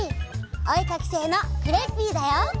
おえかきせいのクレッピーだよ！